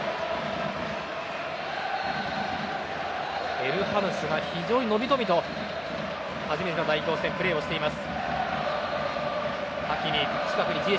エルハヌスが非常にのびのびと初めての代表戦プレーしています。